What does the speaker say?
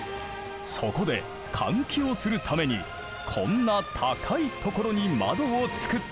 そこで換気をするためにこんな高い所に窓をつくったのだ。